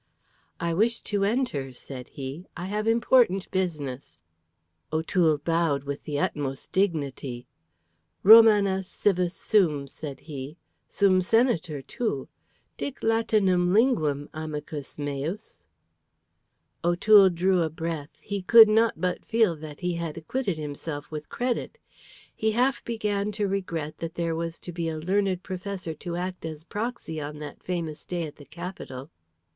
"I wish to enter," said he. "I have important business." O'Toole bowed with the utmost dignity. "Romanus civis sum," said he. "Sum senator too. Dic Latinam linguam, amicus meus." O'Toole drew a breath; he could not but feel that he had acquitted himself with credit. He half began to regret that there was to be a learned professor to act as proxy on that famous day at the Capitol.